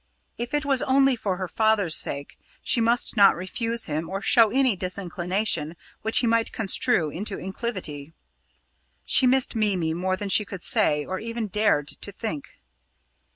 If it was only for her father's sake, she must not refuse him or show any disinclination which he might construe into incivility. She missed Mimi more than she could say or even dared to think.